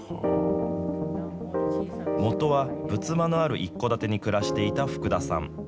元は仏間のある一戸建てに暮らしていた福田さん。